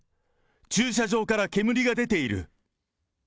駐車場から煙が出ている。